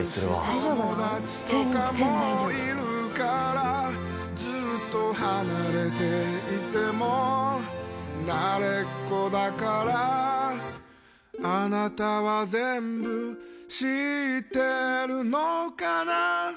友達とかもいるからずっと離れていても慣れっこだからあなたは全部知ってるのかな